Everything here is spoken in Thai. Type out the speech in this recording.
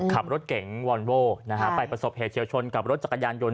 ขับรถเก๋งวอนโว้ไปประสบเหตุเฉียวชนกับรถจักรยานยนต